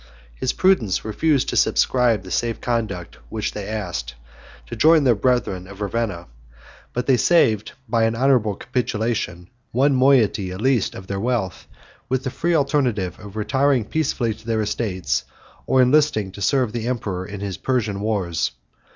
His prudence refused to subscribe the safe conduct which they asked, to join their brethren of Ravenna; but they saved, by an honorable capitulation, one moiety at least of their wealth, with the free alternative of retiring peaceably to their estates, or enlisting to serve the emperor in his Persian wars.